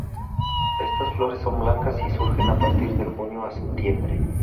Estas flores son blancas y surgen a partir de junio a septiembre.